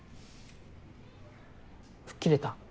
吹っ切れた？